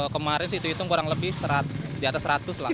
kemarin sih itu itu kurang lebih di atas seratus lah